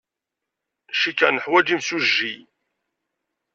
Cikkeɣ neḥwaj imsujji.